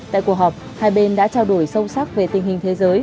tại cuộc họp hai bên đã trao đổi sâu sắc về tình hình thế giới